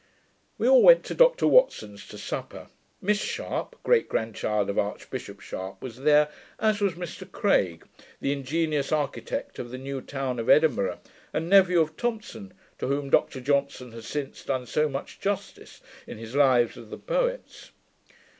We all went to Dr Watson's to supper. Miss Sharp, great grandchild of Archbishop Sharp, was there; as was Mr Craig, the ingenious architect of the new town of Edinburgh, and nephew of Thomson, to whom Dr Johnson has since done so much justice, in his Lives of the Poets.